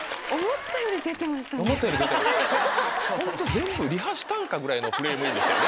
全部リハしたんか？ぐらいのフレームインでしたよね。